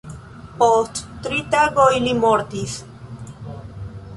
Post tri tagoj li mortis.